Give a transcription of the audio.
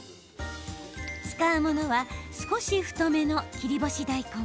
使うものは少し太めの切り干し大根。